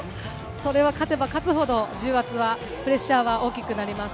それは勝てば勝つほど、重圧は、プレッシャーは大きくなります。